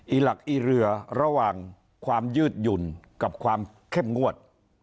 หลักอีเรือระหว่างความยืดหยุ่นกับความเข้มงวด